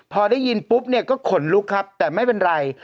พอได้ยินปุ๊บเนี่ยก็ขนลุกครับแต่ไม่เป็นไร